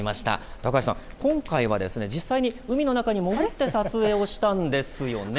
高橋さん、今回は実際に海の中に潜って撮影したんですよね。